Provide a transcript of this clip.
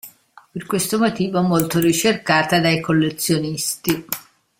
Per questo motivo, è molto ricercata dai collezionisti.